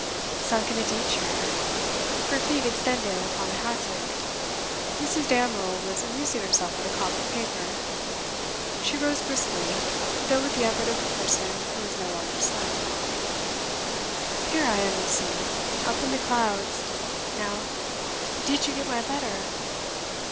Sunk in a deep chair, her feet extended upon a hassock, Mrs. Damerel was amusing herself with a comic paper; she rose briskly, though with the effort of a person who is no longer slim. 'Here I am, you see! up in the clouds. Now, did you get my letter?